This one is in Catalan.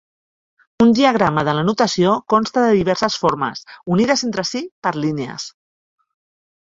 Un diagrama de la notació consta de diverses formes unides entre si per línies.